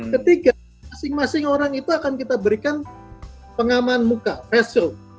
ketiga masing masing orang itu akan kita berikan pengaman muka pressroom